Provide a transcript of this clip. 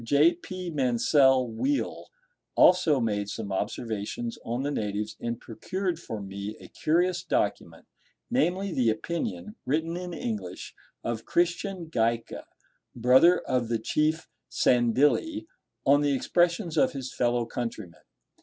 J. P. Mansel Weale also made some observations on the natives, and procured for me a curious document, namely, the opinion, written in English, of Christian Gaika, brother of the Chief Sandilli, on the expressions of his fellow countrymen.